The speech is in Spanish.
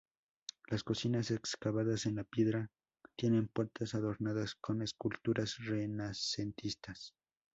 Las cocinas excavadas en la piedra tienen puertas adornadas con esculturas renacentistas.